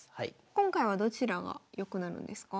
今回はどちらが良くなるんですか？